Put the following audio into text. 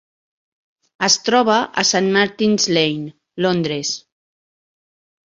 Es troba a Saint Martin's Lane, Londres.